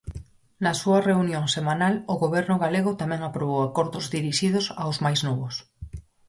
Na súa reunión semanal, o Goberno galego tamén aprobou acordos dirixidos aos máis novos.